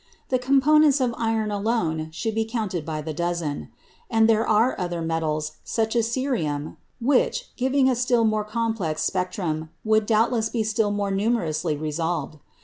The components of iron alone should be counted by the dozen. And there are other metals, such as cerium, which, giving a still more complex spectrum, would doubtless be still more numerously resolved.